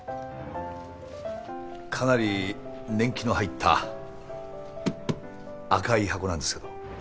かなり年季の入った赤い箱なんですけど。